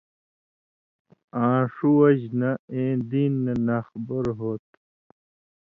آں ݜُو وجہۡ نہ اېں (دین نہ) ناخبر ہُو تُھو۔